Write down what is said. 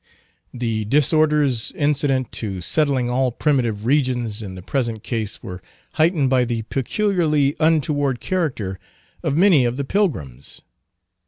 The disorders incident to settling all primitive regions, in the present case were heightened by the peculiarly untoward character of many of the pilgrims.